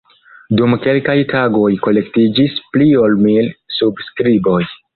Dum kelkaj tagoj kolektiĝis pli ol mil subskriboj.